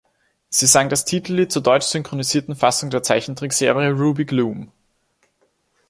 Sie sang das Titellied zur deutsch synchronisierten Fassung der Zeichentrickserie "Ruby Gloom".